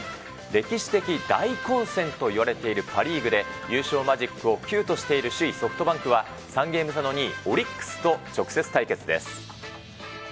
歴史的大混戦といわれているパ・リーグで、優勝マジックを９としている首位ソフトバンクは３ゲーム差の２位、オリックスと直接対決です。